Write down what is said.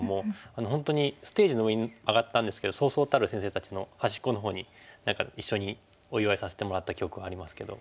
本当にステージの上に上がったんですけどそうそうたる先生たちの端っこの方に一緒にお祝いさせてもらった記憶がありますけど。